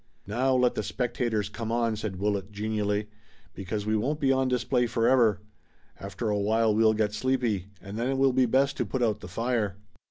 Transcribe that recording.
"Now let the spectators come on," said Willet genially, "because we won't be on display forever. After a while we'll get sleepy, and then it will be best to put out the fire."